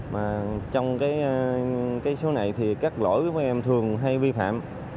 mà trong cái số này thì các lỗi của các em thường hay vi phạm